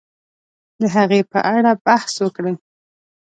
د هغې په اړه بحث وکړي